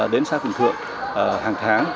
đến xã phương tượng hàng tháng